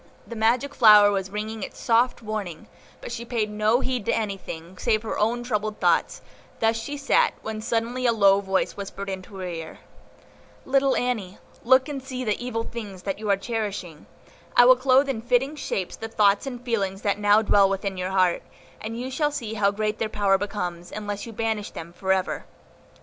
The magic flower was ringing its soft warning, but she paid no heed to anything, save her own troubled thoughts; thus she sat, when suddenly a low voice whispered in her ear,— "Little Annie, look and see the evil things that you are cherishing; I will clothe in fitting shapes the thoughts and feelings that now dwell within your heart, and you shall see how great their power becomes, unless you banish them for ever."